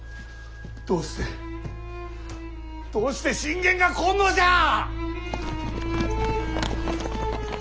どうしてどうして信玄が来んのじゃあ！